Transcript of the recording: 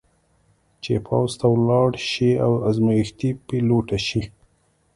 چې پوځ ته ولاړه شي او ازمېښتي پیلوټه شي.